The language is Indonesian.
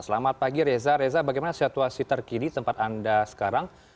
selamat pagi reza reza bagaimana situasi terkini tempat anda sekarang